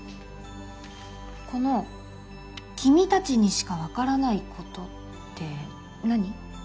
この「君たちにしかわからない」ことって何？